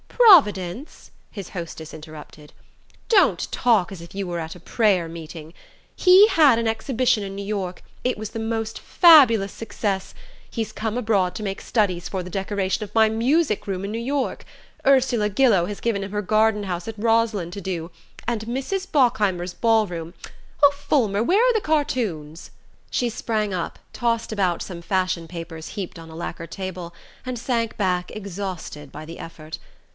"Providence?" his hostess interrupted. "Don't talk as if you were at a prayer meeting! He had an exhibition in New York... it was the most fabulous success. He's come abroad to make studies for the decoration of my music room in New York. Ursula Gillow has given him her garden house at Roslyn to do. And Mrs. Bockheimer's ball room oh, Fulmer, where are the cartoons?" She sprang up, tossed about some fashion papers heaped on a lacquer table, and sank back exhausted by the effort.